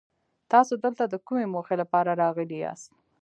تاسو دلته د کومې موخې لپاره راغلي ياست؟